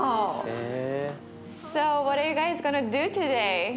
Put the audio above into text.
へえ。